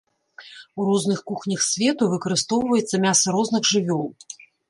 У розных кухнях свету выкарыстоўваецца мяса розных жывёл.